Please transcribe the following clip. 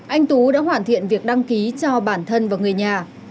anh tú đã hoàn thiện việc đăng ký cho bản thân và người nhà